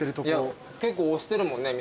結構推してるもんね。